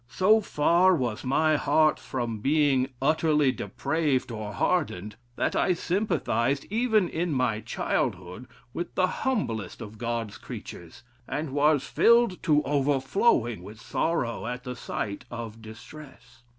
So far was my heart from being utterly depraved or hardened, that I sympathised, even in my childhood, with the humblest of God's creatures, and was filled to overflowing with sorrow at the sight of distress.